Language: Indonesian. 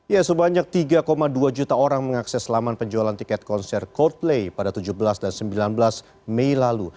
ya sebanyak tiga dua juta orang mengakses laman penjualan tiket konser coldplay pada tujuh belas dan sembilan belas mei lalu